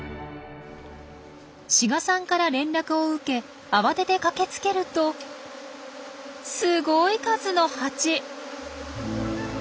志賀さんから連絡を受け慌てて駆けつけるとすごい数のハチ！